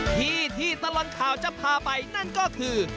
ที่ที่ตลอดข่าวจะพาไปนั่นก็คือ